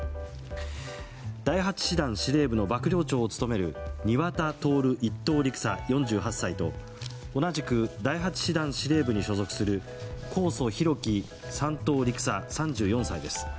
第８師団司令部の幕僚長を務める庭田徹１等陸佐、４８歳と同じく第８師団司令部に所属する神尊皓基３等陸佐、３４歳です。